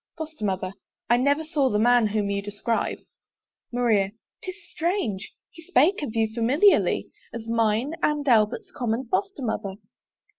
FOSTER MOTHER. I never saw the man whom you describe. MARIA. 'Tis strange! he spake of you familiarly As mine and Albert's common Foster mother.